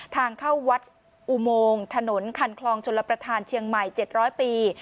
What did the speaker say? ทางเข้าวัดอุโมงถนนคันคลองชลประธานเชียงใหม่๗๐๐ปี